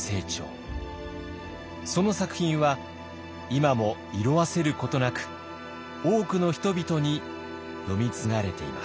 その作品は今も色あせることなく多くの人々に読み継がれています。